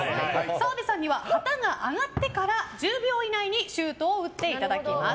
澤部さんには旗が上がってから１０秒以内にシュートを打っていただきます。